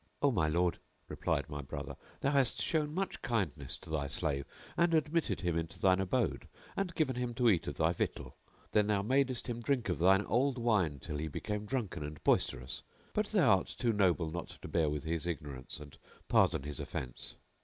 "O my lord," replied my brother, "thou hast shown much kindness to thy slave, and admitted him into thine abode and given him to eat of thy victual; then thou madest him drink of thine old wine till he became drunken and boisterous; but thou art too noble not to bear with his ignorance and pardon his offence."